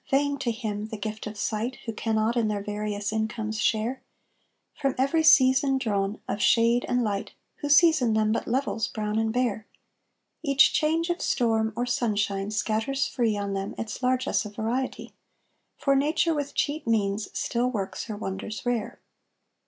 vain to him the gift of sight Who cannot in their various incomes share, From every season drawn, of shade and light, Who sees in them but levels brown and bare; Each change of storm or sunshine scatters free On them its largesse of variety, For nature with cheap means still works her wonders rare.